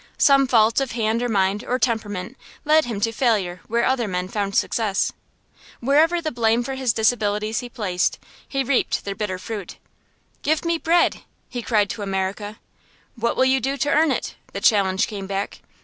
Some fault of hand or mind or temperament led him to failure where other men found success. Wherever the blame for his disabilities be placed, he reaped their bitter fruit. "Give me bread!" he cried to America. "What will you do to earn it?" the challenge came back.